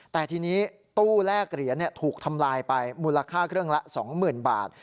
แต่ทีนี้ตู้แลกเหรียญถูกทำลายไปมูลค่าเครื่องละ๒๐๐๐บาท